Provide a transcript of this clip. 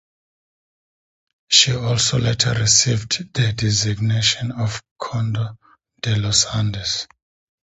She also later received the designation of "Condor de los Andes".